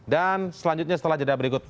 dan selanjutnya setelah jadwal berikut